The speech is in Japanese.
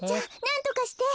なんとかして。